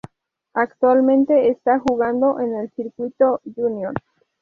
Actualmente está jugando en el circuito junior.